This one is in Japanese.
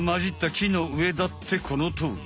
きのうえだってこのとおり。